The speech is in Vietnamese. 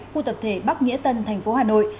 khu tập thể bắc nghĩa tân hà nội